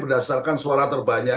berdasarkan suara terbanyak